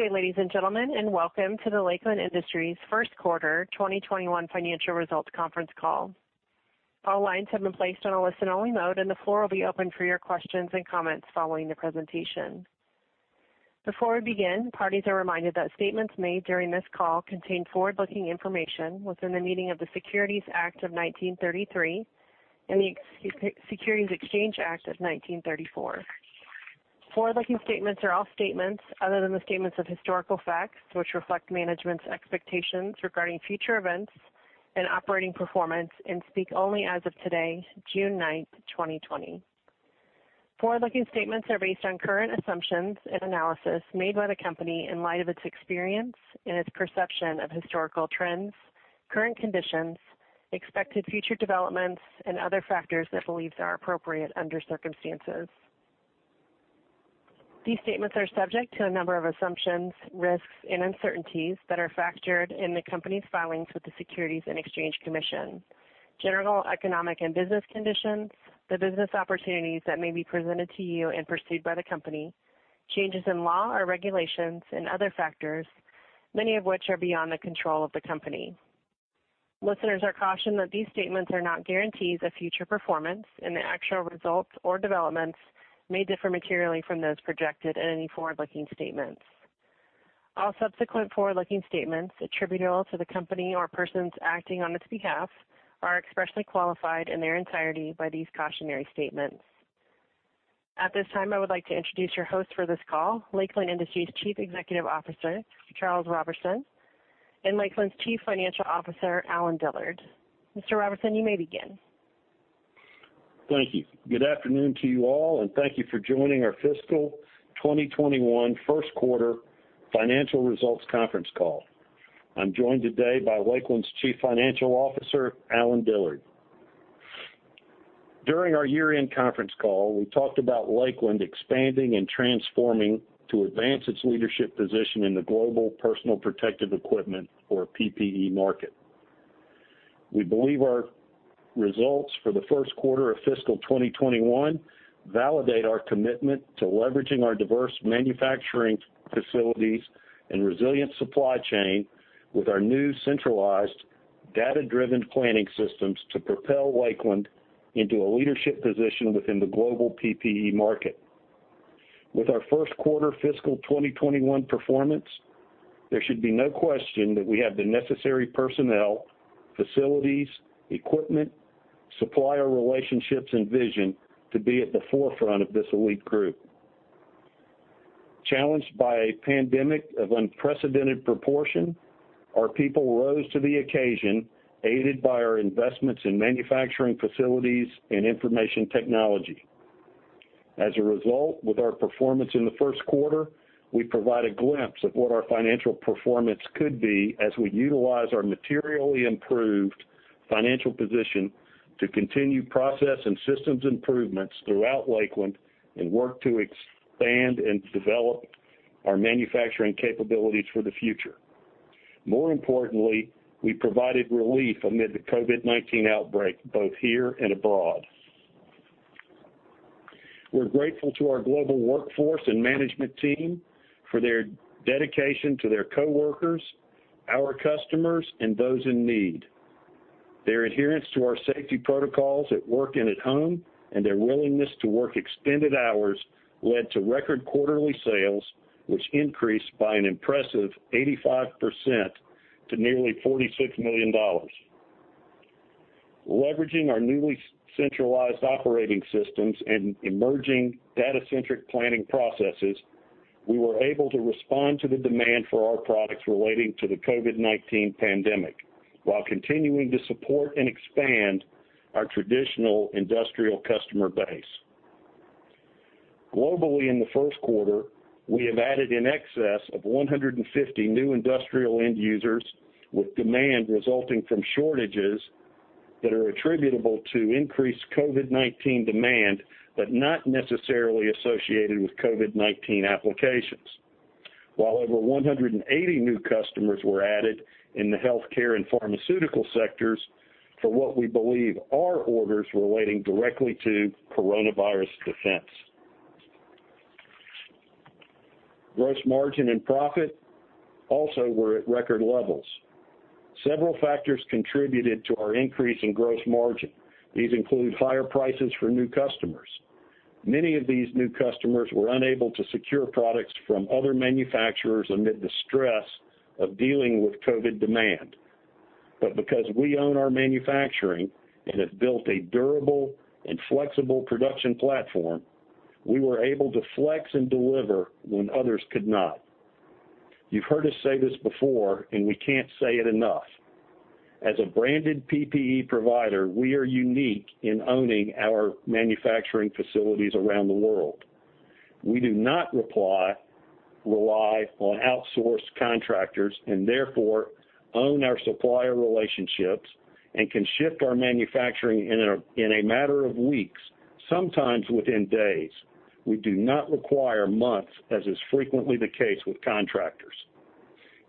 Good day, ladies and gentlemen, and welcome to the Lakeland Industries first quarter 2021 financial results conference call. All lines have been placed on a listen-only mode, and the floor will be open for your questions and comments following the presentation. Before we begin, parties are reminded that statements made during this call contain forward-looking information within the meaning of the Securities Act of 1933 and the Securities Exchange Act of 1934. Forward-looking statements are all statements other than the statements of historical facts which reflect management's expectations regarding future events and operating performance, and speak only as of today, June 9th, 2020. Forward-looking statements are based on current assumptions and analysis made by the company in light of its experience and its perception of historical trends, current conditions, expected future developments, and other factors it believes are appropriate under circumstances. These statements are subject to a number of assumptions, risks, and uncertainties that are factored in the company's filings with the Securities and Exchange Commission. General economic and business conditions, the business opportunities that may be presented to you and pursued by the company, changes in law or regulations and other factors, many of which are beyond the control of the company. Listeners are cautioned that these statements are not guarantees of future performance, and the actual results or developments may differ materially from those projected in any forward-looking statements. All subsequent forward-looking statements attributable to the company or persons acting on its behalf are expressly qualified in their entirety by these cautionary statements. At this time, I would like to introduce your host for this call, Lakeland Industries Chief Executive Officer, Charles Roberson, and Lakeland's Chief Financial Officer, Allen Dillard. Mr. Roberson, you may begin. Thank you. Good afternoon to you all, and thank you for joining our fiscal 2021 first quarter financial results conference call. I'm joined today by Lakeland's Chief Financial Officer, Allen Dillard. During our year-end conference call, we talked about Lakeland expanding and transforming to advance its leadership position in the global personal protective equipment or PPE market. We believe our results for the first quarter of fiscal 2021 validate our commitment to leveraging our diverse manufacturing facilities and resilient supply chain with our new centralized data-driven planning systems to propel Lakeland into a leadership position within the global PPE market. With our first quarter fiscal 2021 performance, there should be no question that we have the necessary personnel, facilities, equipment, supplier relationships, and vision to be at the forefront of this elite group. Challenged by a pandemic of unprecedented proportion, our people rose to the occasion, aided by our investments in manufacturing facilities and information technology. As a result, with our performance in the first quarter, we provide a glimpse of what our financial performance could be as we utilize our materially improved financial position to continue process and systems improvements throughout Lakeland and work to expand and develop our manufacturing capabilities for the future. More importantly, we provided relief amid the COVID-19 outbreak, both here and abroad. We're grateful to our global workforce and management team for their dedication to their coworkers, our customers, and those in need. Their adherence to our safety protocols at work and at home, and their willingness to work extended hours led to record quarterly sales, which increased by an impressive 85% to nearly $46 million. Leveraging our newly centralized operating systems and emerging data-centric planning processes, we were able to respond to the demand for our products relating to the COVID-19 pandemic while continuing to support and expand our traditional industrial customer base. Globally, in the first quarter, we have added in excess of 150 new industrial end users with demand resulting from shortages that are attributable to increased COVID-19 demand, but not necessarily associated with COVID-19 applications. While over 180 new customers were added in the healthcare and pharmaceutical sectors for what we believe are orders relating directly to coronavirus defense. Gross margin and profit also were at record levels. Several factors contributed to our increase in gross margin. These include higher prices for new customers. Many of these new customers were unable to secure products from other manufacturers amid the stress of dealing with COVID demand. Because we own our manufacturing and have built a durable and flexible production platform, we were able to flex and deliver when others could not. You've heard us say this before, and we can't say it enough. As a branded PPE provider, we are unique in owning our manufacturing facilities around the world. We do not rely on outsourced contractors, and therefore own our supplier relationships and can shift our manufacturing in a matter of weeks, sometimes within days. We do not require months, as is frequently the case with contractors.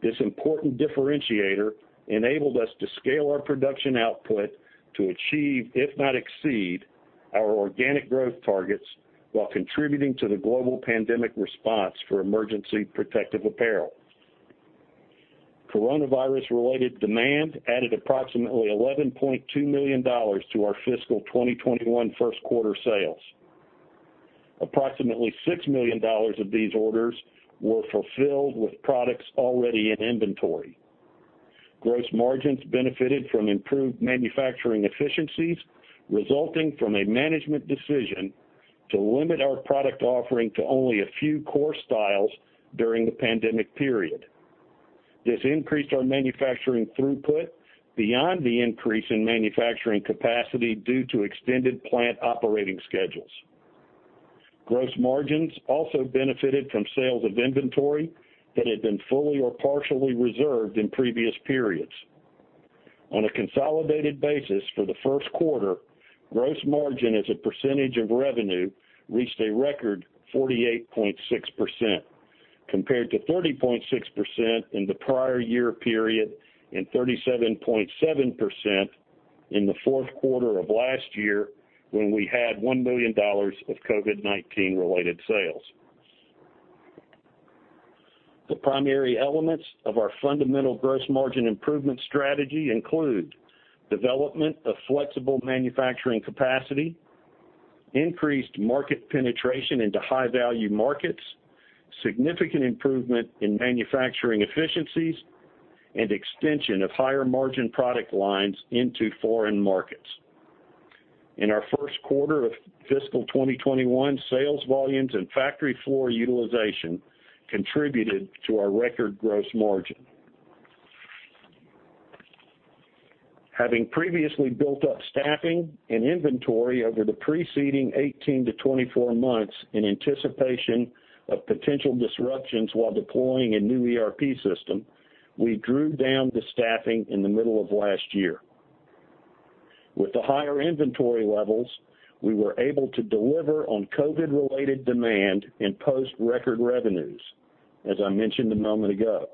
This important differentiator enabled us to scale our production output to achieve, if not exceed, our organic growth targets while contributing to the global pandemic response for emergency protective apparel. Coronavirus-related demand added approximately $11.2 million to our fiscal 2021 first quarter sales. Approximately $6 million of these orders were fulfilled with products already in inventory. Gross margins benefited from improved manufacturing efficiencies resulting from a management decision to limit our product offering to only a few core styles during the pandemic period. This increased our manufacturing throughput beyond the increase in manufacturing capacity due to extended plant operating schedules. Gross margins also benefited from sales of inventory that had been fully or partially reserved in previous periods. On a consolidated basis for the first quarter, gross margin as a percentage of revenue reached a record 48.6%, compared to 30.6% in the prior year period and 37.7% in the fourth quarter of last year, when we had $1 million of COVID-19 related sales. The primary elements of our fundamental gross margin improvement strategy include development of flexible manufacturing capacity, increased market penetration into high-value markets, significant improvement in manufacturing efficiencies, and extension of higher margin product lines into foreign markets. In our first quarter of fiscal 2021, sales volumes and factory floor utilization contributed to our record gross margin. Having previously built up staffing and inventory over the preceding 18-24 months in anticipation of potential disruptions while deploying a new ERP system, we drew down the staffing in the middle of last year. With the higher inventory levels, we were able to deliver on COVID-related demand and post record revenues, as I mentioned a moment ago.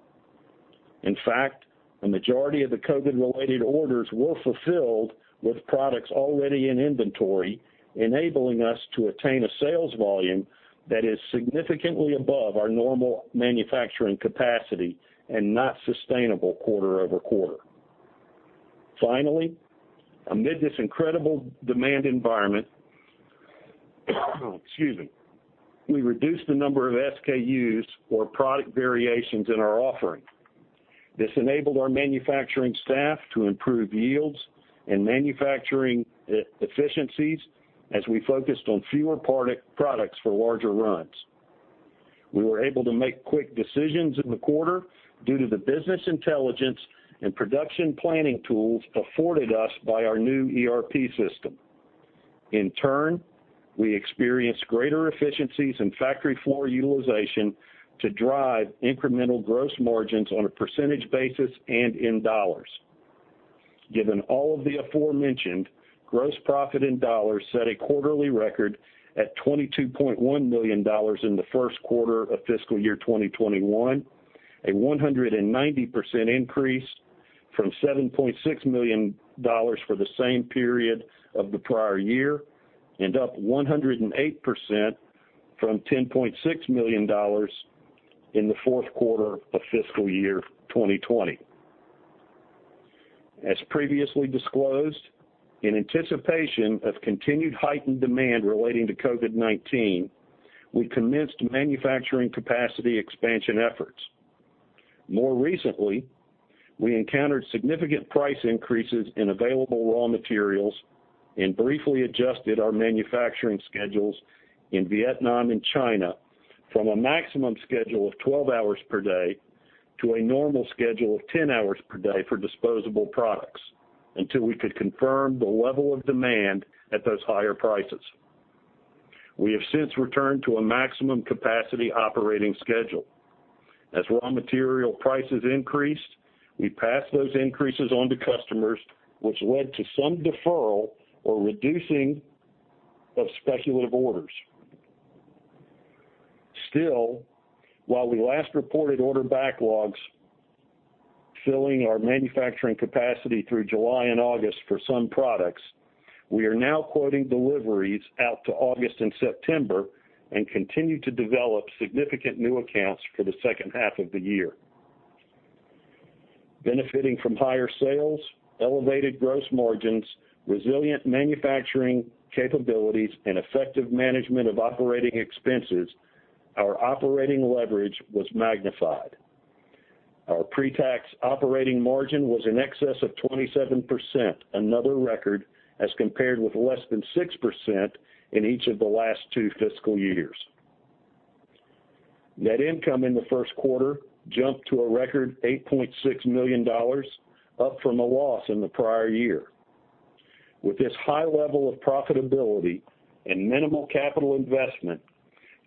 In fact, a majority of the COVID-related orders were fulfilled with products already in inventory, enabling us to attain a sales volume that is significantly above our normal manufacturing capacity and not sustainable quarter-over-quarter. Finally, amid this incredible demand environment, we reduced the number of SKUs or product variations in our offering. This enabled our manufacturing staff to improve yields and manufacturing efficiencies as we focused on fewer products for larger runs. We were able to make quick decisions in the quarter due to the business intelligence and production planning tools afforded us by our new ERP system. In turn, we experienced greater efficiencies in factory floor utilization to drive incremental gross margins on a percentage basis and in dollars. Given all of the aforementioned, gross profit in dollars set a quarterly record at $22.1 million in the first quarter of fiscal year 2021, a 190% increase from $7.6 million for the same period of the prior year, and up 108% from $10.6 million in the fourth quarter of fiscal year 2020. As previously disclosed, in anticipation of continued heightened demand relating to COVID-19, we commenced manufacturing capacity expansion efforts. More recently, we encountered significant price increases in available raw materials and briefly adjusted our manufacturing schedules in Vietnam and China from a maximum schedule of 12 hours per day to a normal schedule of 10 hours per day for disposable products, until we could confirm the level of demand at those higher prices. We have since returned to a maximum capacity operating schedule. As raw material prices increased, we passed those increases on to customers, which led to some deferral or reducing of speculative orders. Still, while we last reported order backlogs filling our manufacturing capacity through July and August for some products, we are now quoting deliveries out to August and September and continue to develop significant new accounts for the second half of the year. Benefiting from higher sales, elevated gross margins, resilient manufacturing capabilities, and effective management of operating expenses, our operating leverage was magnified. Our pre-tax operating margin was in excess of 27%, another record, as compared with less than 6% in each of the last two fiscal years. Net income in the first quarter jumped to a record $8.6 million, up from a loss in the prior year. With this high level of profitability and minimal capital investment,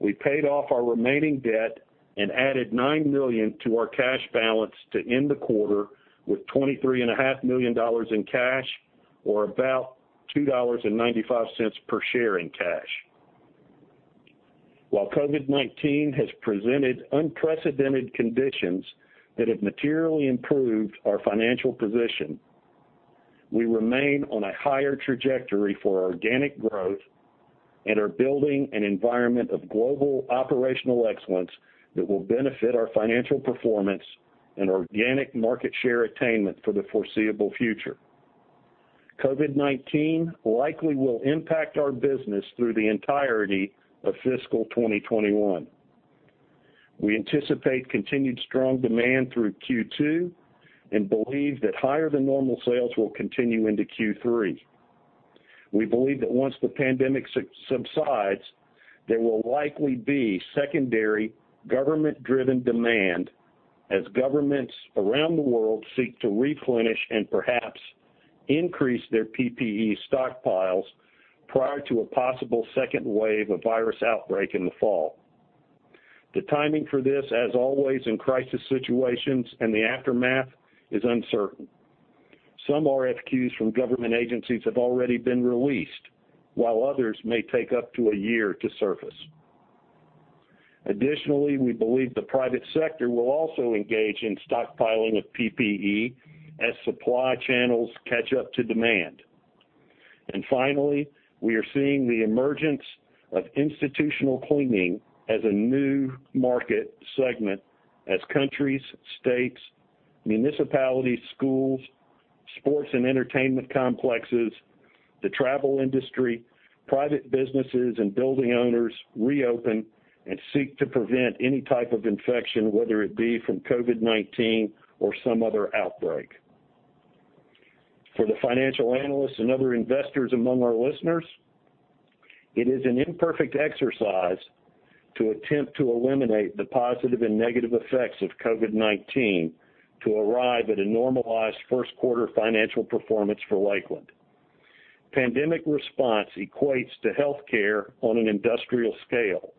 we paid off our remaining debt and added $9 million to our cash balance to end the quarter with $23.5 million in cash, or about $2.95 per share in cash. While COVID-19 has presented unprecedented conditions that have materially improved our financial position, we remain on a higher trajectory for organic growth and are building an environment of global operational excellence that will benefit our financial performance and organic market share attainment for the foreseeable future. COVID-19 likely will impact our business through the entirety of fiscal 2021. We anticipate continued strong demand through Q2 and believe that higher-than-normal sales will continue into Q3. We believe that once the pandemic subsides, there will likely be secondary government-driven demand as governments around the world seek to replenish and perhaps increase their PPE stockpiles prior to a possible second wave of virus outbreak in the fall. The timing for this, as always in crisis situations and the aftermath, is uncertain. Some RFQs from government agencies have already been released, while others may take up to a year to surface. Additionally, we believe the private sector will also engage in stockpiling of PPE as supply channels catch up to demand. Finally, we are seeing the emergence of institutional cleaning as a new market segment as countries, states, municipalities, schools, sports and entertainment complexes, the travel industry, private businesses, and building owners reopen and seek to prevent any type of infection, whether it be from COVID-19 or some other outbreak. For the financial analysts and other investors among our listeners, it is an imperfect exercise to attempt to eliminate the positive and negative effects of COVID-19 to arrive at a normalized first quarter financial performance for Lakeland. Pandemic response equates to healthcare on an industrial scale,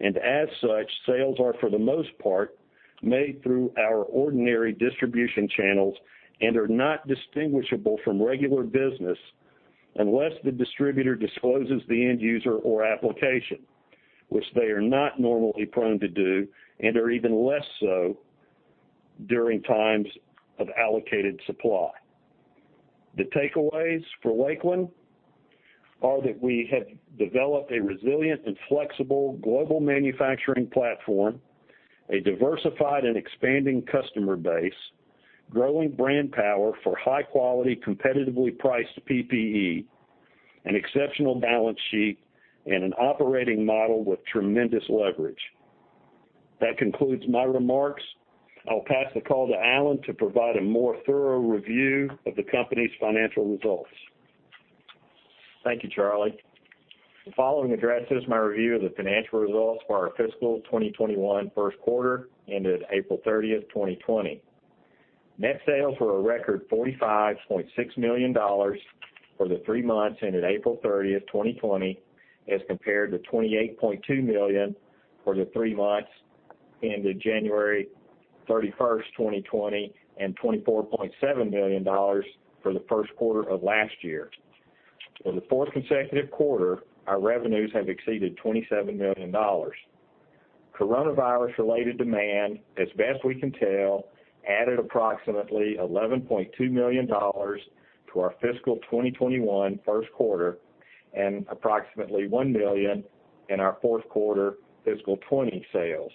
and as such, sales are for the most part, made through our ordinary distribution channels and are not distinguishable from regular business unless the distributor discloses the end user or application, which they are not normally prone to do and are even less so during times of allocated supply. The takeaways for Lakeland are that we have developed a resilient and flexible global manufacturing platform, a diversified and expanding customer base, growing brand power for high-quality, competitively priced PPE, an exceptional balance sheet, and an operating model with tremendous leverage. That concludes my remarks. I'll pass the call to Allen to provide a more thorough review of the company's financial results. Thank you, Charlie. The following addresses my review of the financial results for our fiscal 2021 first quarter ended April 30, 2020. Net sales were a record $45.6 million for the three months ended April 30, 2020 as compared to $28.2 million for the three months ended January 31, 2020 and $24.7 million for the first quarter of last year. For the fourth consecutive quarter, our revenues have exceeded $27 million. COVID-19-related demand, as best we can tell, added approximately $11.2 million to our fiscal 2021 first quarter and approximately $1 million in our fourth quarter fiscal 2020 sales.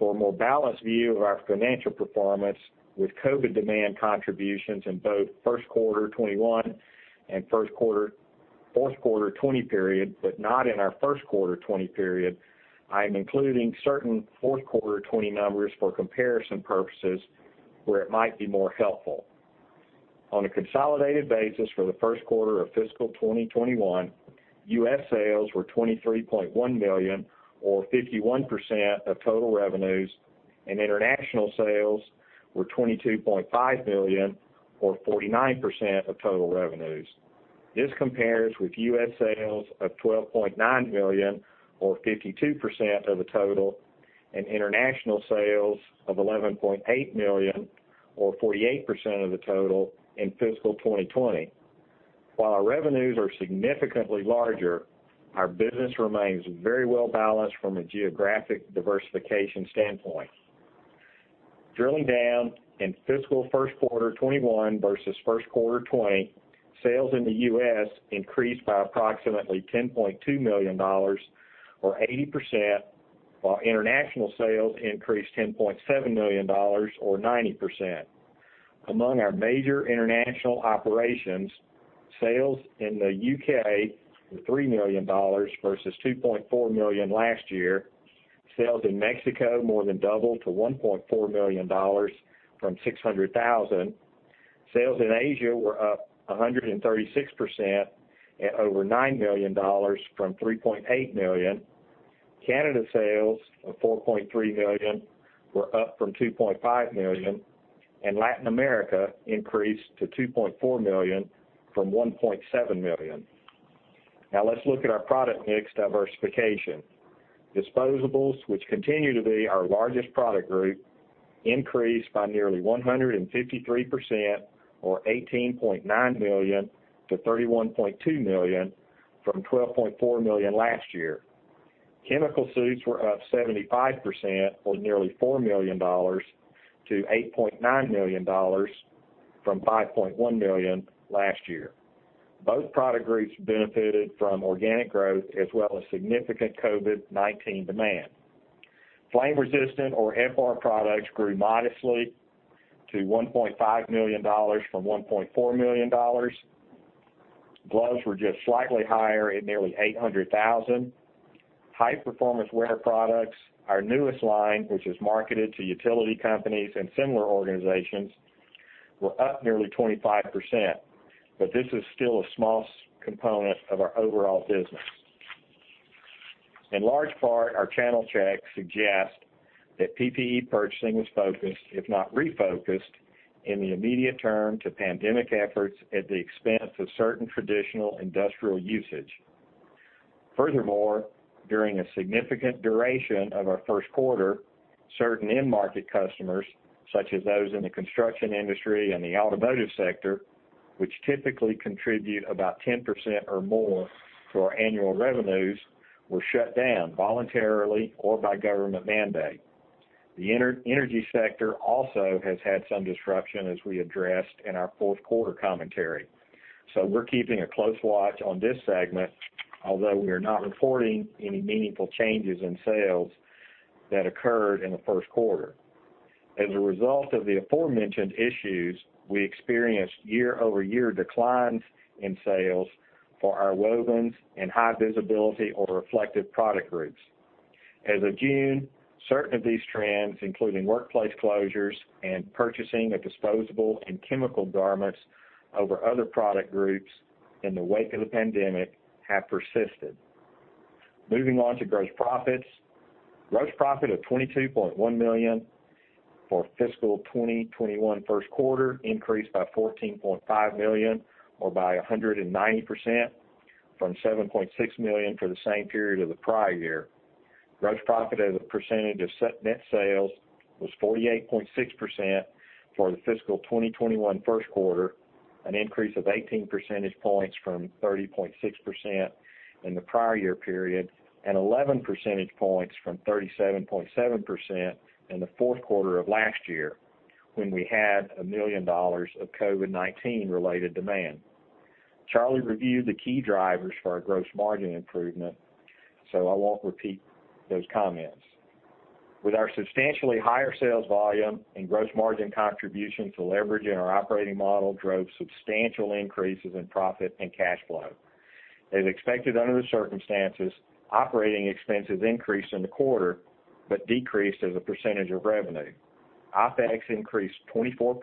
For a more balanced view of our financial performance with COVID-19 demand contributions in both first quarter 2021 and fourth quarter 2020 period, but not in our first quarter 2020 period, I am including certain fourth quarter 2020 numbers for comparison purposes where it might be more helpful. On a consolidated basis for the first quarter of fiscal 2021, U.S. sales were $23.1 million, or 51% of total revenues, and international sales were $22.5 million, or 49% of total revenues. This compares with U.S. sales of $12.9 million, or 52% of the total, and international sales of $11.8 million, or 48% of the total in fiscal 2020. While our revenues are significantly larger, our business remains very well-balanced from a geographic diversification standpoint. Drilling down in fiscal first quarter 2021 versus first quarter 2020, sales in the U.S. increased by approximately $10.2 million, or 80%, while international sales increased $10.7 million, or 90%. Among our major international operations, sales in the U.K. were $3 million versus $2.4 million last year. Sales in Mexico more than doubled to $1.4 million from $600,000. Sales in Asia were up 136% at over $9 million from $3.8 million. Canada sales of $4.3 million were up from $2.5 million, and Latin America increased to $2.4 million from $1.7 million. Now let's look at our product mix diversification. Disposables, which continue to be our largest product group, increased by nearly 153%, or $18.9 million to $31.2 million, from $12.4 million last year. Chemical suits were up 75%, or nearly $4 million to $8.9 million, from $5.1 million last year. Both product groups benefited from organic growth as well as significant COVID-19 demand. Flame resistant, or FR products, grew modestly to $1.5 million from $1.4 million. Gloves were just slightly higher at nearly $800,000. High performance wear products, our newest line, which is marketed to utility companies and similar organizations, were up nearly 25%, but this is still a small component of our overall business. In large part, our channel checks suggest that PPE purchasing was focused, if not refocused, in the immediate term to pandemic efforts at the expense of certain traditional industrial usage. Furthermore, during a significant duration of our first quarter, certain end market customers, such as those in the construction industry and the automotive sector, which typically contribute about 10% or more to our annual revenues, were shut down voluntarily or by government mandate. The energy sector also has had some disruption, as we addressed in our fourth quarter commentary. We're keeping a close watch on this segment, although we are not reporting any meaningful changes in sales that occurred in the first quarter. As a result of the aforementioned issues, we experienced year-over-year declines in sales for our wovens and high visibility or reflective product groups. As of June, certain of these trends, including workplace closures and purchasing of disposable and chemical garments over other product groups in the wake of the pandemic, have persisted. Moving on to gross profits. Gross profit of $22.1 million for fiscal 2021 first quarter increased by $14.5 million or by 190%, from $7.6 million for the same period of the prior year. Gross profit as a percentage of net sales was 48.6% for the fiscal 2021 first quarter, an increase of 18 percentage points from 30.6% in the prior year period, and 11 percentage points from 37.7% in the fourth quarter of last year, when we had $1 million of COVID-19 related demand. Charlie reviewed the key drivers for our gross margin improvement, so I won't repeat those comments. With our substantially higher sales volume and gross margin contribution to leverage in our operating model drove substantial increases in profit and cash flow. As expected under the circumstances, operating expenses increased in the quarter but decreased as a percentage of revenue. OPEX increased 24%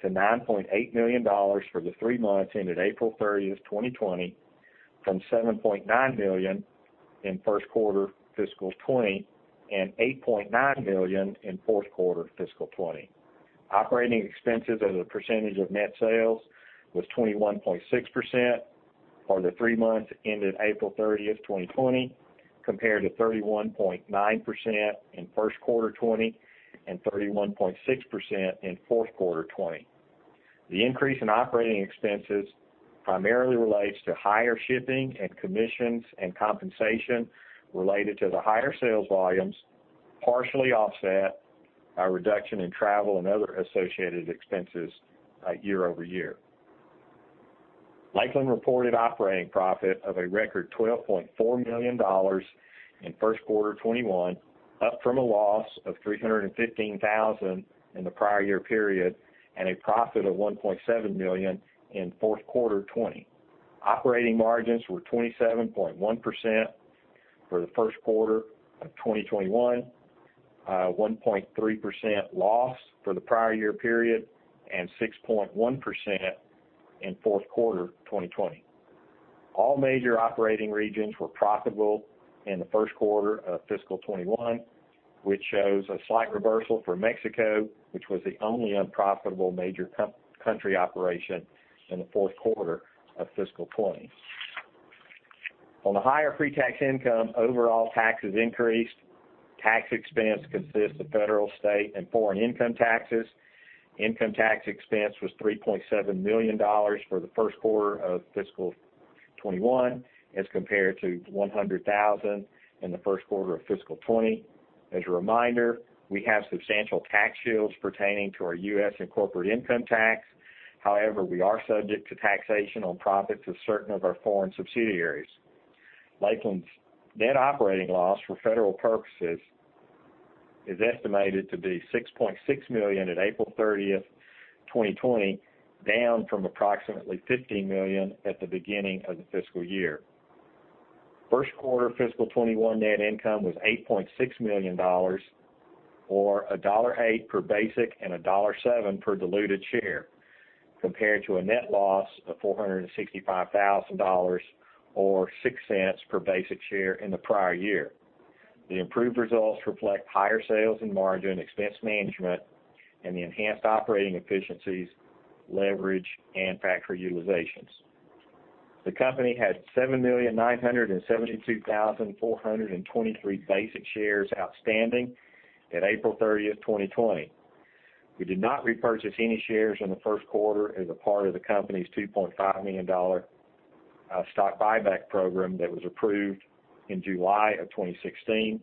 to $9.8 million for the three months ended April 30th, 2020, from $7.9 million in first quarter fiscal 2020 and $8.9 million in fourth quarter fiscal 2020. Operating expenses as a percentage of net sales was 21.6% for the three months ended April 30th, 2020, compared to 31.9% in first quarter 2020 and 31.6% in fourth quarter 2020. The increase in operating expenses primarily relates to higher shipping and commissions and compensation related to the higher sales volumes, partially offset by a reduction in travel and other associated expenses year-over-year. Lakeland reported operating profit of a record $12.4 million in first quarter 2021, up from a loss of $315,000 in the prior year period and a profit of $1.7 million in fourth quarter 2020. Operating margins were 27.1% for the first quarter of 2021, 1.3% loss for the prior year period, and 6.1% in fourth quarter 2020. All major operating regions were profitable in the first quarter of fiscal 2021, which shows a slight reversal for Mexico, which was the only unprofitable major country operation in the fourth quarter of fiscal 2020. On a higher pre-tax income, overall taxes increased. Tax expense consists of federal, state, and foreign income taxes. Income tax expense was $3.7 million for the first quarter of fiscal 2021 as compared to $100,000 in the first quarter of fiscal 2020. As a reminder, we have substantial tax shields pertaining to our U.S. and corporate income tax. We are subject to taxation on profits of certain of our foreign subsidiaries. Lakeland's net operating loss for federal purposes is estimated to be $6.6 million at April 30th, 2020, down from approximately $15 million at the beginning of the fiscal year. First quarter fiscal 2021 net income was $8.6 million, or $1.08 per basic and $1.07 per diluted share, compared to a net loss of $465,000, or $0.06 per basic share in the prior year. The improved results reflect higher sales and margin expense management and the enhanced operating efficiencies, leverage, and factory utilizations. The company had 7,972,423 basic shares outstanding at April 30th, 2020. We did not repurchase any shares in the first quarter as a part of the company's $2.5 million stock buyback program that was approved in July of 2016.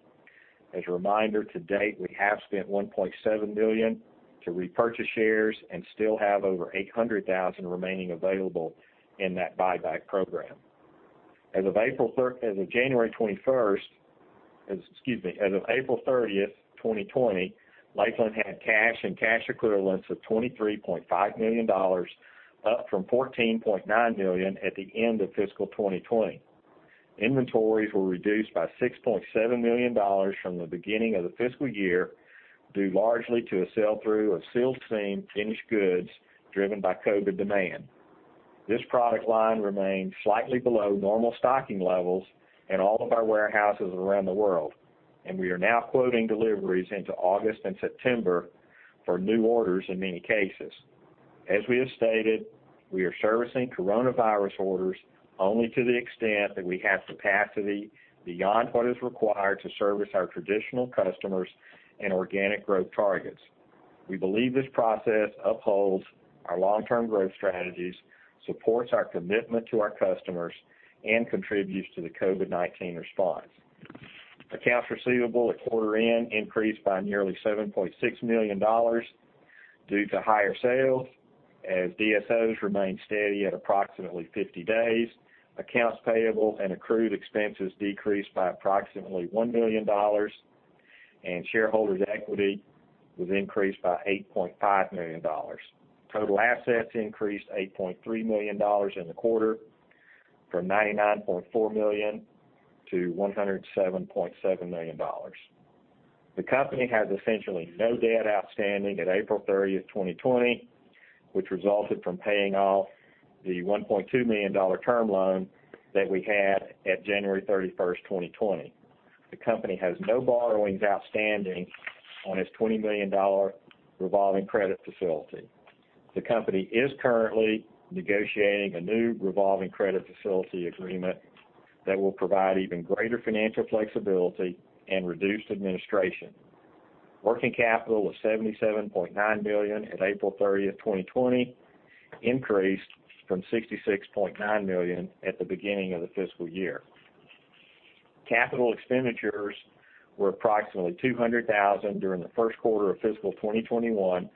As a reminder, to date, we have spent $1.7 million to repurchase shares and still have over 800,000 remaining available in that buyback program. As of April 30th, 2020, Lakeland had cash and cash equivalents of $23.5 million, up from $14.9 million at the end of fiscal 2020. Inventories were reduced by $6.7 million from the beginning of the fiscal year, due largely to a sell-through of sealed seam finished goods driven by COVID demand. This product line remains slightly below normal stocking levels in all of our warehouses around the world, and we are now quoting deliveries into August and September for new orders in many cases. As we have stated, we are servicing coronavirus orders only to the extent that we have capacity beyond what is required to service our traditional customers and organic growth targets. We believe this process upholds our long-term growth strategies, supports our commitment to our customers, and contributes to the COVID-19 response. Accounts receivable at quarter end increased by nearly $7.6 million due to higher sales, as DSOs remained steady at approximately 50 days. Accounts payable and accrued expenses decreased by approximately $1 million, and shareholders' equity was increased by $8.5 million. Total assets increased $8.3 million in the quarter, from $99.4 million to $107.7 million. The company has essentially no debt outstanding at April 30th, 2020, which resulted from paying off the $1.2 million term loan that we had at January 31st, 2020. The company has no borrowings outstanding on its $20 million revolving credit facility. The company is currently negotiating a new revolving credit facility agreement that will provide even greater financial flexibility and reduced administration. Working capital was $77.9 million at April 30th, 2020, increased from $66.9 million at the beginning of the fiscal year. Capital expenditures were approximately $200,000 during the first quarter of fiscal 2021,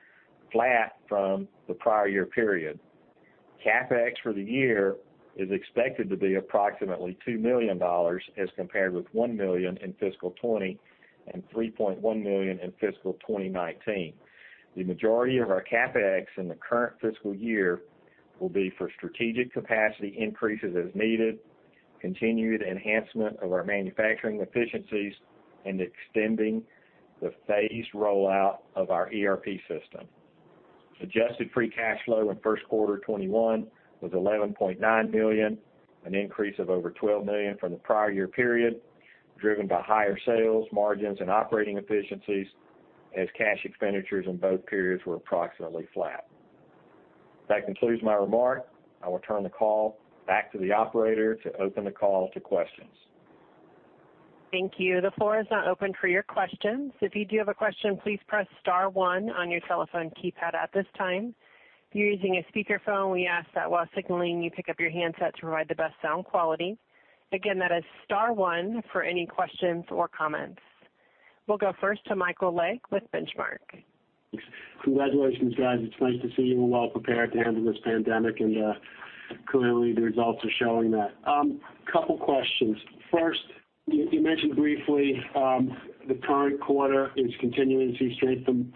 flat from the prior year period. CapEx for the year is expected to be approximately $2 million as compared with $1 million in fiscal 2020 and $3.1 million in fiscal 2019. The majority of our CapEx in the current fiscal year will be for strategic capacity increases as needed, continued enhancement of our manufacturing efficiencies, and extending the phased rollout of our ERP system. Adjusted free cash flow in first quarter 2021 was $11.9 million, an increase of over $12 million from the prior year period, driven by higher sales, margins, and operating efficiencies as cash expenditures in both periods were approximately flat. That concludes my remarks. I will turn the call back to the operator to open the call to questions. Thank you. The floor is now open for your questions. If you do have a question, please press star one on your telephone keypad at this time. If you're using a speakerphone, we ask that while signaling you pick up your handset to provide the best sound quality. Again, that is star one for any questions or comments. We'll go first to Michael Legg with Benchmark. Congratulations, guys. It's nice to see you were well prepared to handle this pandemic, and clearly the results are showing that. Couple questions. First, you mentioned briefly the current quarter is continuing to see strength from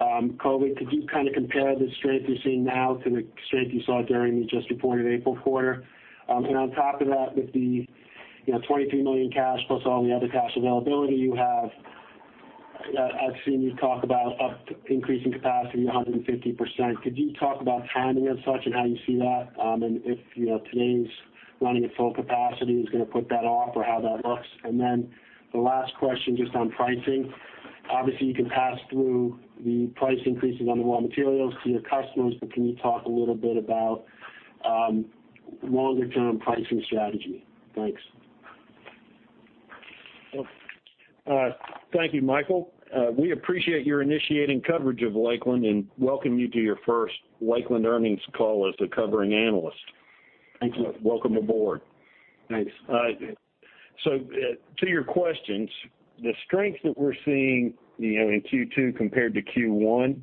COVID. Could you kind of compare the strength you're seeing now to the strength you saw during the just reported April quarter? On top of that, with the $23 million cash plus all the other cash availability you have, I've seen you talk about increasing capacity 150%. Could you talk about timing as such and how you see that? If today's running at full capacity is going to put that off or how that looks. The last question, just on pricing. Obviously, you can pass through the price increases on the raw materials to your customers, but can you talk a little bit about longer term pricing strategy? Thanks. Thank you, Michael. We appreciate your initiating coverage of Lakeland and welcome you to your first Lakeland earnings call as the covering analyst. Thank you. Welcome aboard. Thanks. To your questions, the strength that we're seeing in Q2 compared to Q1,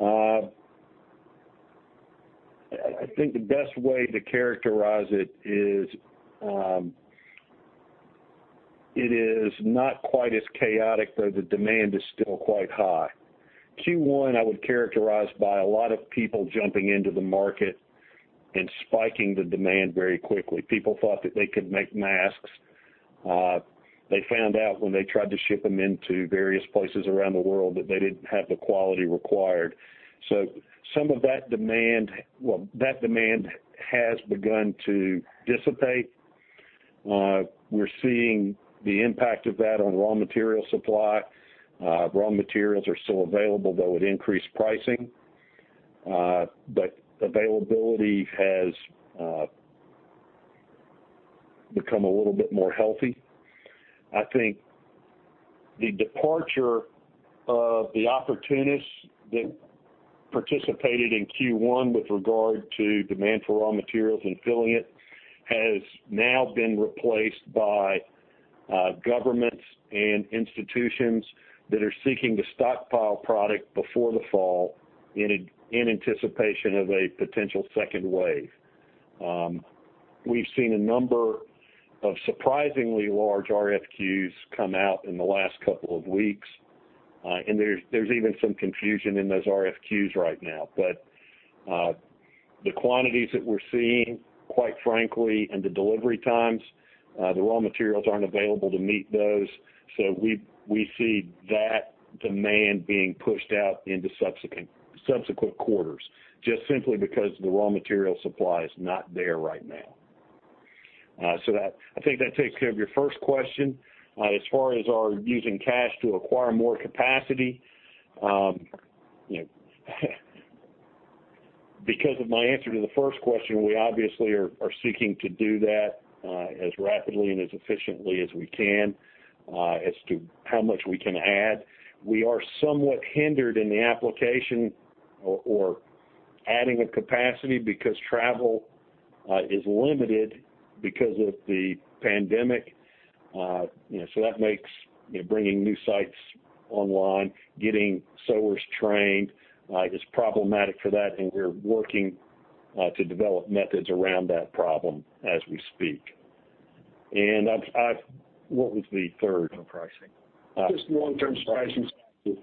I think the best way to characterize it is, it is not quite as chaotic, though the demand is still quite high. Q1, I would characterize by a lot of people jumping into the market and spiking the demand very quickly. People thought that they could make masks. They found out when they tried to ship them into various places around the world that they didn't have the quality required. Some of that demand has begun to dissipate. We're seeing the impact of that on raw material supply. Raw materials are still available, though at increased pricing. Availability has become a little bit more healthy. I think the departure of the opportunists that participated in Q1 with regard to demand for raw materials and filling it, has now been replaced by governments and institutions that are seeking to stockpile product before the fall in anticipation of a potential second wave. We've seen a number of surprisingly large RFQs come out in the last couple of weeks. There's even some confusion in those RFQs right now. The quantities that we're seeing, quite frankly, and the delivery times, the raw materials aren't available to meet those. We see that demand being pushed out into subsequent quarters, just simply because the raw material supply is not there right now. I think that takes care of your first question. As far as our using cash to acquire more capacity, because of my answer to the first question, we obviously are seeking to do that as rapidly and as efficiently as we can. As to how much we can add, we are somewhat hindered in the application or adding of capacity because travel is limited because of the pandemic. That makes bringing new sites online, getting sewers trained, is problematic for that, and we're working to develop methods around that problem as we speak. What was the third? On pricing. Just long-term pricing strategy.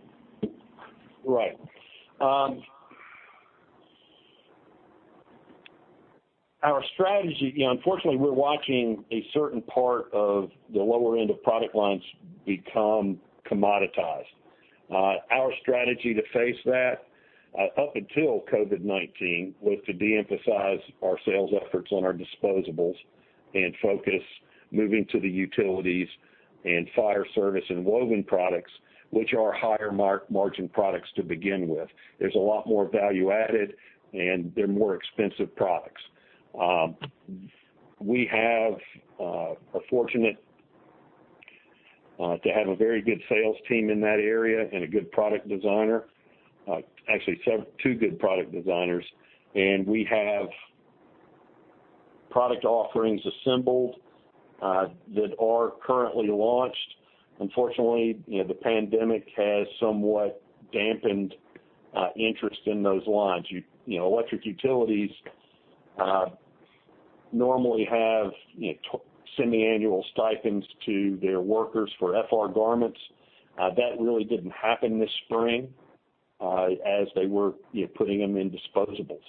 Right. Our strategy, unfortunately, we're watching a certain part of the lower end of product lines become commoditized. Our strategy to face that, up until COVID-19, was to de-emphasize our sales efforts on our disposables and focus moving to the utilities and fire service and woven products, which are higher margin products to begin with. There's a lot more value added, and they're more expensive products. We have a fortunate to have a very good sales team in that area and a good product designer. Actually, two good product designers. And we have product offerings assembled that are currently launched. Unfortunately, the pandemic has somewhat dampened interest in those lines. Electric utilities normally have semi-annual stipends to their workers for FR garments. That really didn't happen this spring as they were putting them in disposables.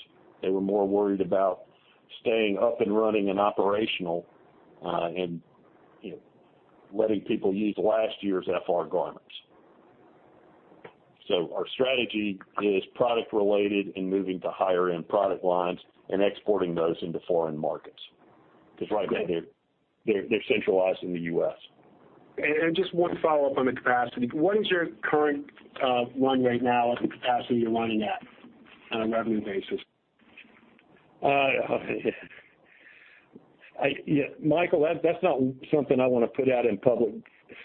They were more worried about staying up and running and operational and letting people use last year's FR garments. Our strategy is product related and moving to higher end product lines and exporting those into foreign markets. Right now they're centralized in the U.S. Just one follow-up on the capacity. What is your current run right now or the capacity you are running at on a revenue basis? Michael, that's not something I want to put out in public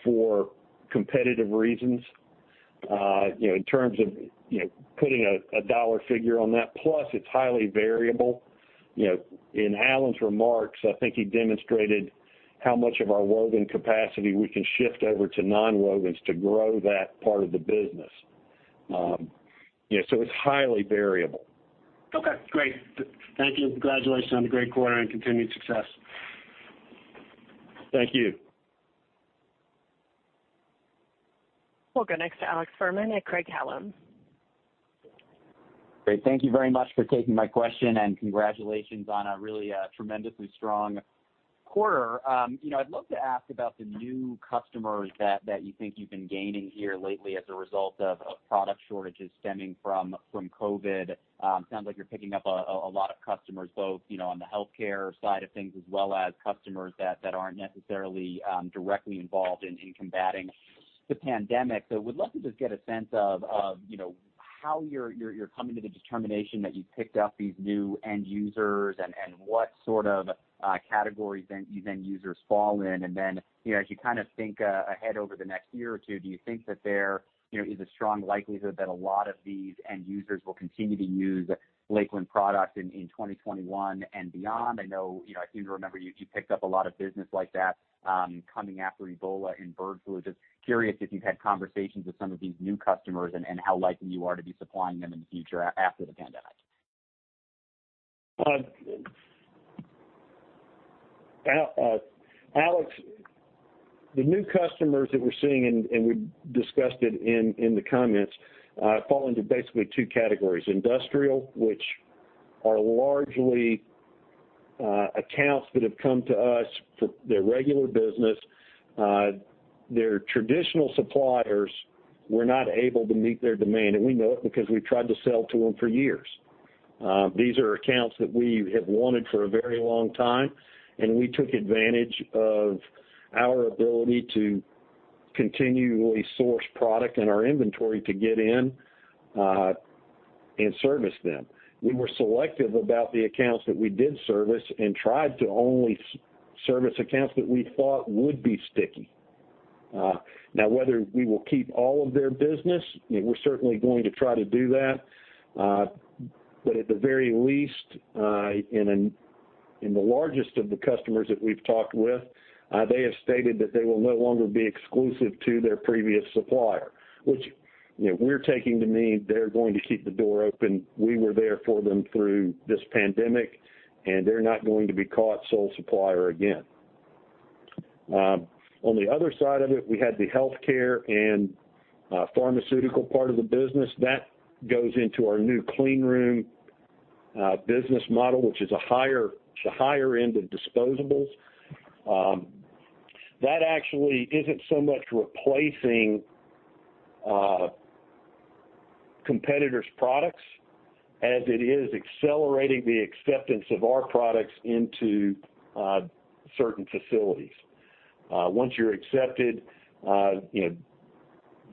for competitive reasons, in terms of putting a dollar figure on that, plus it's highly variable. In Allen's remarks, I think he demonstrated how much of our woven capacity we can shift over to non-wovens to grow that part of the business. It's highly variable. Okay, great. Thank you. Congratulations on the great quarter and continued success. Thank you. We'll go next to Alex Fuhrman at Craig-Hallum. Great. Thank you very much for taking my question, and congratulations on a really tremendously strong quarter. I'd love to ask about the new customers that you think you've been gaining here lately as a result of product shortages stemming from COVID-19. Sounds like you're picking up a lot of customers, both on the healthcare side of things, as well as customers that aren't necessarily directly involved in combating the pandemic. Would love to just get a sense of how you're coming to the determination that you've picked up these new end users and what sort of categories these end users fall in. As you think ahead over the next year or two, do you think that there is a strong likelihood that a lot of these end users will continue to use Lakeland products in 2021 and beyond? I seem to remember you picked up a lot of business like that coming after Ebola and bird flu. Just curious if you've had conversations with some of these new customers and how likely you are to be supplying them in the future after the pandemic. Alex, the new customers that we're seeing, and we discussed it in the comments, fall into basically two categories. Industrial, which are largely accounts that have come to us for their regular business. Their traditional suppliers were not able to meet their demand. We know it because we've tried to sell to them for years. These are accounts that we have wanted for a very long time. We took advantage of our ability to continually source product in our inventory to get in and service them. We were selective about the accounts that we did service and tried to only service accounts that we thought would be sticky. Now, whether we will keep all of their business, we're certainly going to try to do that. At the very least, in the largest of the customers that we've talked with, they have stated that they will no longer be exclusive to their previous supplier, which we're taking to mean they're going to keep the door open. We were there for them through this pandemic. They're not going to be caught sole supplier again. On the other side of it, we had the healthcare and pharmaceutical part of the business. That goes into our new cleanroom business model, which is a higher end of disposables. That actually isn't so much replacing competitors' products as it is accelerating the acceptance of our products into certain facilities. Once you're accepted,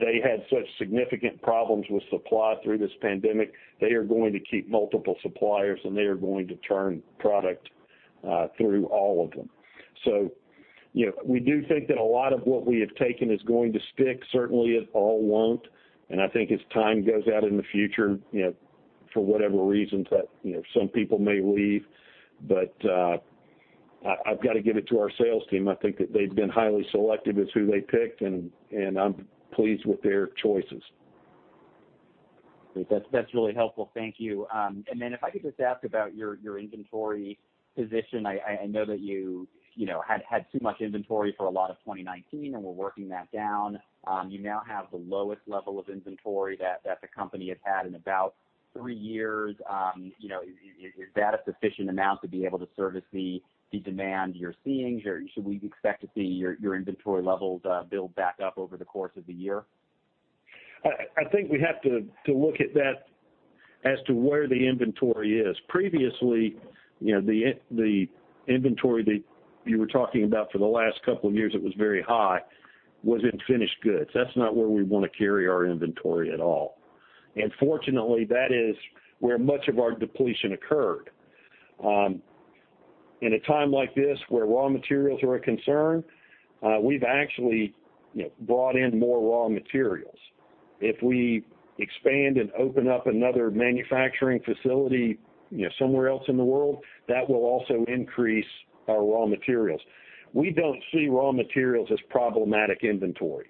they had such significant problems with supply through this pandemic, they are going to keep multiple suppliers. They are going to turn product through all of them. We do think that a lot of what we have taken is going to stick. Certainly, it all won't, and I think as time goes out in the future, for whatever reason, some people may leave. I've got to give it to our sales team. I think that they've been highly selective as who they picked, and I'm pleased with their choices. That's really helpful. Thank you. If I could just ask about your inventory position. I know that you had too much inventory for a lot of 2019, and were working that down. You now have the lowest level of inventory that the company has had in about three years. Is that a sufficient amount to be able to service the demand you're seeing? Should we expect to see your inventory levels build back up over the course of the year? I think we have to look at that as to where the inventory is. Previously, the inventory that you were talking about for the last couple of years, it was very high, was in finished goods. That's not where we want to carry our inventory at all. Fortunately, that is where much of our depletion occurred. In a time like this, where raw materials are a concern, we've actually brought in more raw materials. If we expand and open up another manufacturing facility somewhere else in the world, that will also increase our raw materials. We don't see raw materials as problematic inventory.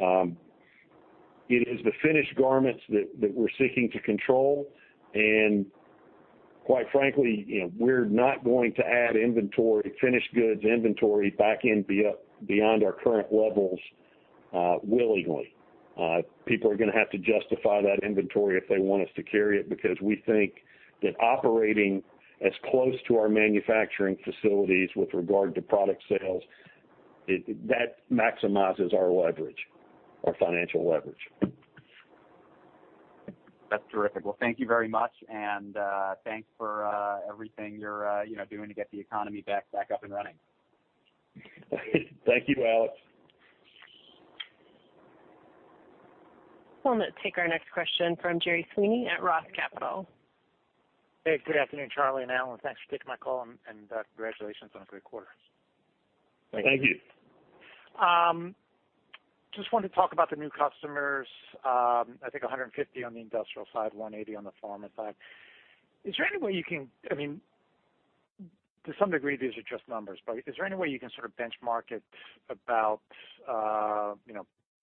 It is the finished garments that we're seeking to control, and quite frankly, we're not going to add inventory, finished goods inventory back in beyond our current levels willingly. People are going to have to justify that inventory if they want us to carry it, because we think that operating as close to our manufacturing facilities with regard to product sales, that maximizes our leverage, our financial leverage. That's terrific. Well, thank you very much, and thanks for everything you're doing to get the economy back up and running. Thank you, Alex. We'll now take our next question from Gerry Sweeney at ROTH Capital. Hey, good afternoon, Charlie and Allen. Thanks for taking my call, and congratulations on a great quarter. Thank you. Thank you. Just wanted to talk about the new customers. I think 150 on the industrial side, 180 on the pharma side. To some degree, these are just numbers, but is there any way you can sort of benchmark it about,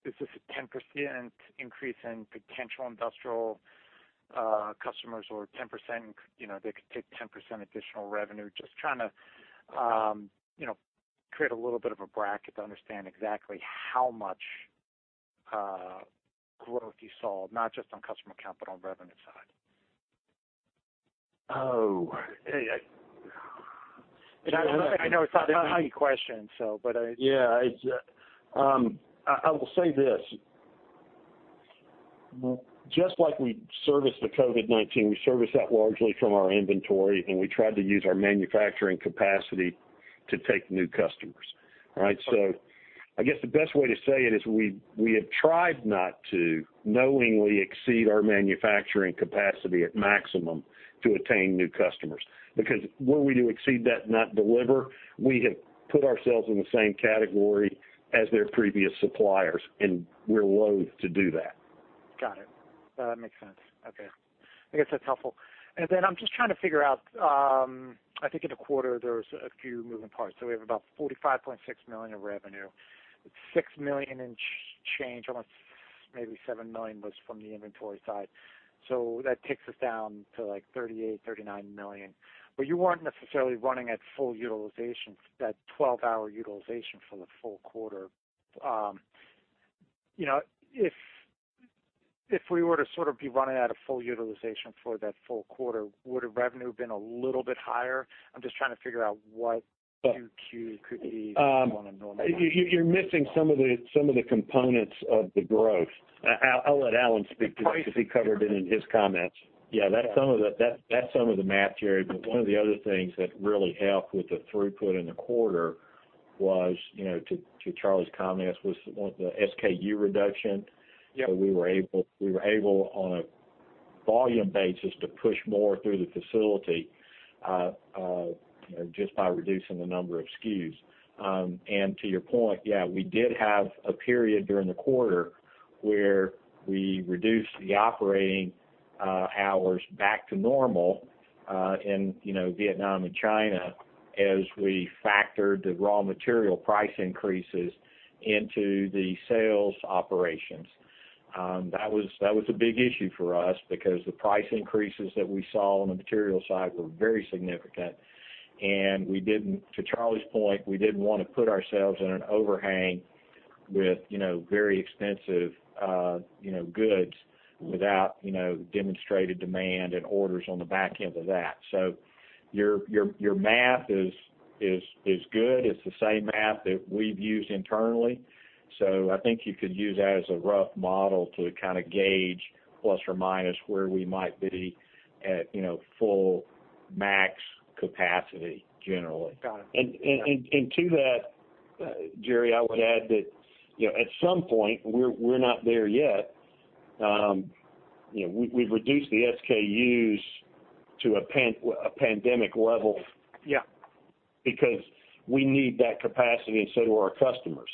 is this a 10% increase in potential industrial customers or they could take 10% additional revenue? Just trying to create a little bit of a bracket to understand exactly how much growth you saw, not just on customer count, but on revenue side. Oh. I know it's not an easy question. Yeah. I will say this. Just like we serviced the COVID-19, we serviced that largely from our inventory, and we tried to use our manufacturing capacity to take new customers. I guess the best way to say it is we have tried not to knowingly exceed our manufacturing capacity at maximum to attain new customers. Because where we do exceed that and not deliver, we have put ourselves in the same category as their previous suppliers, and we're loath to do that. Got it. No, that makes sense. Okay. I guess that's helpful. I'm just trying to figure out, I think in the quarter, there's a few moving parts. We have about $45.6 million of revenue. $6 million and change, almost maybe $7 million, was from the inventory side. That takes us down to like $38 million,$39 million. You weren't necessarily running at full utilization, that 12-hour utilization for the full quarter. If we were to sort of be running at a full utilization for that full quarter, would have revenue been a little bit higher? I'm just trying to figure out what Q2 could be on a normalized-. You're missing some of the components of the growth. I'll let Allen speak to that because he covered it in his comments. Yeah. That's some of the math, Gerry, but one of the other things that really helped with the throughput in the quarter was, to Charlie's comments, was the SKU reduction. Yeah. We were able, on a volume basis, to push more through the facility just by reducing the number of SKUs. To your point, yeah, we did have a period during the quarter where we reduced the operating hours back to normal in Vietnam and China as we factored the raw material price increases into the sales operations. That was a big issue for us because the price increases that we saw on the material side were very significant, and to Charlie's point, we didn't want to put ourselves in an overhang with very expensive goods without demonstrated demand and orders on the back end of that. Your math is good. It's the same math that we've used internally. I think you could use that as a rough model to gauge, plus or minus where we might be at full max capacity, generally. Got it. To that, Gerry, I would add that at some point, we're not there yet. We've reduced the SKUs to a pandemic level. Yeah We need that capacity and so do our customers.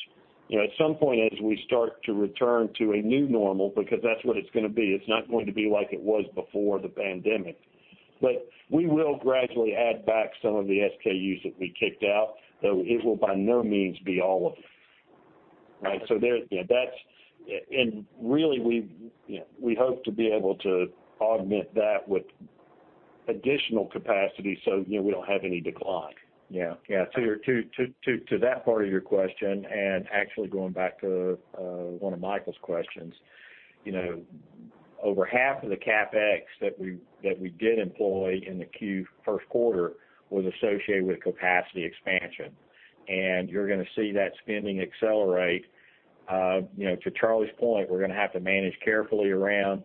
At some point as we start to return to a new normal, because that's what it's going to be, it's not going to be like it was before the pandemic. We will gradually add back some of the SKUs that we kicked out, though it will by no means be all of them. Right? Really, we hope to be able to augment that with additional capacity so we don't have any decline. Yeah. To that part of your question, actually going back to one of Michael's questions, over half of the CapEx that we did employ in the Q first quarter was associated with capacity expansion, and you're going to see that spending accelerate. To Charlie's point, we're going to have to manage carefully around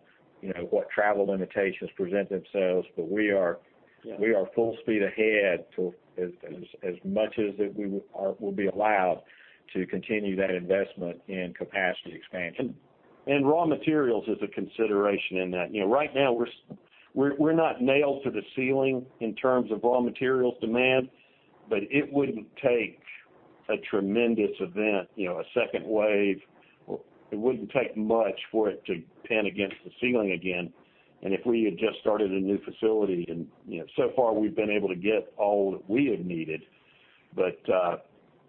what travel limitations present themselves. We are full speed ahead to as much as we'll be allowed to continue that investment in capacity expansion. Raw materials is a consideration in that. Right now, we're not nailed to the ceiling in terms of raw materials demand, but it wouldn't take a tremendous event, a second wave. It wouldn't take much for it to pin against the ceiling again. If we had just started a new facility, and so far we've been able to get all that we have needed, but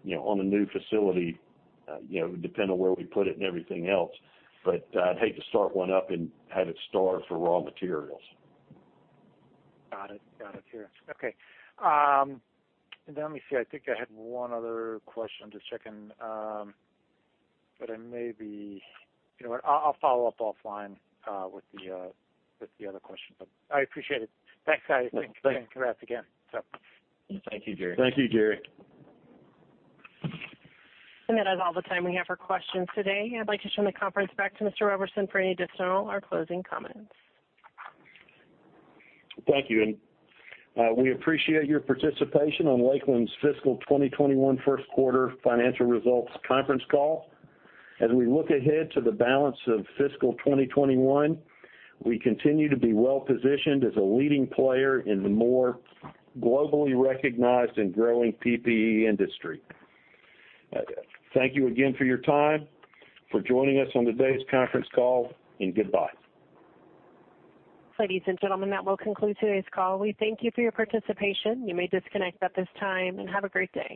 on a new facility, depending on where we put it and everything else, but I'd hate to start one up and have it starve for raw materials. Got it. Got it here. Okay. Let me see. I think I had one other question. I'm just checking. You know what? I'll follow up offline with the other question, but I appreciate it. Thanks, guys. Yeah. Thank you. Thanks. Congrats again. Thank you, Gerry. Thank you, Gerry. That is all the time we have for questions today. I'd like to turn the conference back to Mr. Roberson for any additional or closing comments. Thank you, and we appreciate your participation on Lakeland's fiscal 2021 first quarter financial results conference call. As we look ahead to the balance of fiscal 2021, we continue to be well-positioned as a leading player in the more globally recognized and growing PPE industry. Thank you again for your time, for joining us on today's conference call, and goodbye. Ladies and gentlemen, that will conclude today's call. We thank you for your participation. You may disconnect at this time, and have a great day.